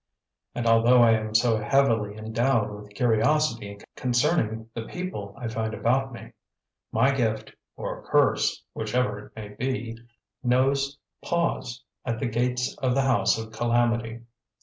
And although I am so heavily endowed with curiosity concerning the people I find about me, my gift (or curse, whichever it be) knows pause at the gates of the house of calamity.